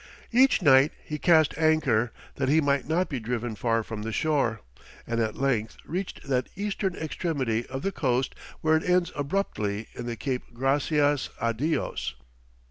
Each night he cast anchor, that he might not be driven far from the shore, and at length reached that eastern extremity of the coast where it ends abruptly in the Cape Gracias a Dios.